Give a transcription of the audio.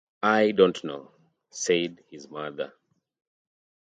'I don't know,' said his mother.